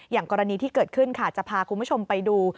อย่างกรณีที่เกิดขึ้นค่ะจะพาคุณผู้ชมไปดู